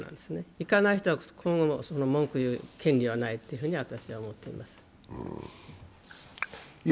行かない人は今後も文句言う権利はないと私は思っています。